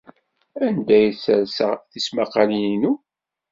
Anda ay sserseɣ tismaqqalin-inu?